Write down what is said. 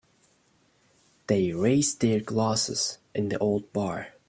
They raised their glasses in the old bar.